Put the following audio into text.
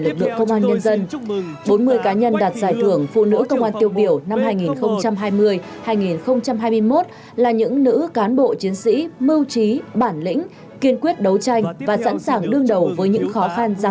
có hình thức phong phú đa dạng thu hút lôi cuốn đảo hội viên tham gia